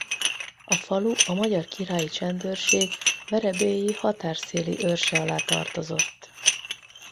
A falu a magyar királyi csendőrség Verebélyi határszéli örse alá tartozott.